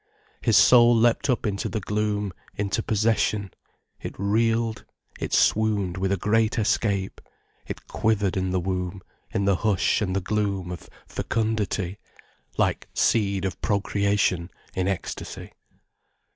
His soul leapt up into the gloom, into possession, it reeled, it swooned with a great escape, it quivered in the womb, in the hush and the gloom of fecundity, like seed of procreation in ecstasy.